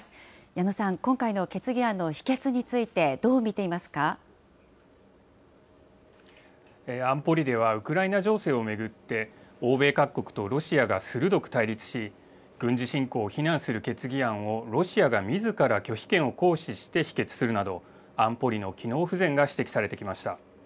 矢野さん、今回の決議案の否決に安保理では、ウクライナ情勢を巡って、欧米各国とロシアが鋭く対立し、軍事侵攻を非難する決議案をロシアがみずから拒否権を行使して否決するなど、安保理の機能不全が指摘されてきました。